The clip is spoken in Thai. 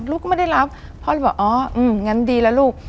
อืมอย่างนั้นดีแล้วลูก